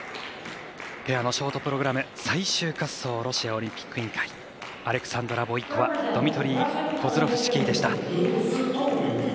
ペアのショートプログラム最終滑走ロシアオリンピック委員会アレクサンドラ・ボイコワドミトリー・コズロフシキー。